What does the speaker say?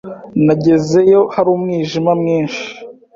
Nagezeyo hari umwijima mwinshi.